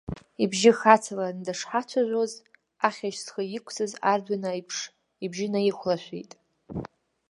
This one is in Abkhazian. Ибжьы хацаланы дышҳацәажәоз, ахьажь зхы иқәсыз ардәына аиԥш, ибжьы наихәлашәеит.